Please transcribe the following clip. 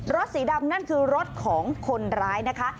สีดำนั่นคือรถของคนร้ายนะคะ